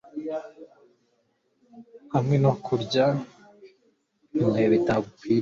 hamwe no kurya mu bihe bidakwiriye